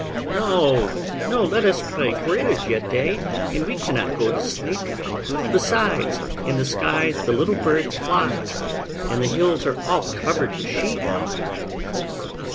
'No, no, let us play, for it is yet day, And we cannot go to sleep; Besides, in the sky the little birds fly, And the hills are all covered with sheep.